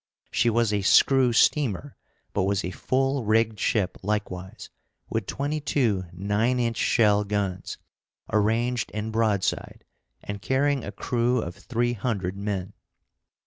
She was a screw steamer, but was a full rigged ship likewise, with twenty two 9 inch shell guns, arranged in broadside, and carrying a crew of three hundred men.